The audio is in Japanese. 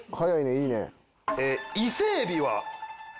いいね。